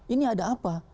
ini ada apa